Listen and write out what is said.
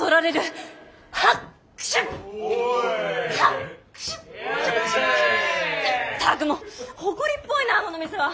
ったくもうほこりっぽいなこの店は。